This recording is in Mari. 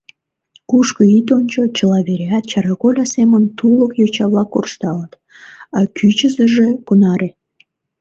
Кушко ит ончо, чыла вереат чараголя семын тулык йоча-влак куржталыт, а кӱчызыжӧ кунаре!..